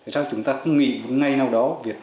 sao chúng ta không nghĩ một ngày nào đó